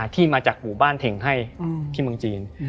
ที่มาจากหมู่บ้านเท่งให้ที่เมืองจีน